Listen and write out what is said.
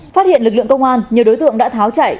phát hiện lực lượng công an nhiều đối tượng đã tháo chạy